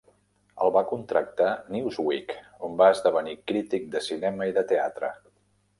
El va contractar "Newsweek", on va esdevenir crític de cinema i de teatre.